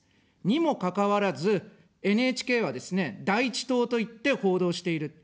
にもかかわらず、ＮＨＫはですね、第一党と言って報道している。